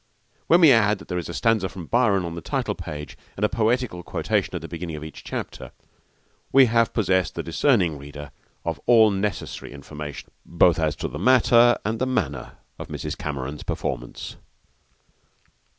When we add that there is a stanza from Byron on the title page and a poetical quotation at the beginning of each chapter, we have possessed the discerning reader of all necessary information both as to the matter and the manner of Mrs. Cameron's performance.